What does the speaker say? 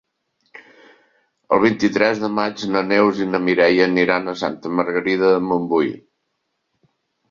El vint-i-tres de maig na Neus i na Mireia aniran a Santa Margarida de Montbui.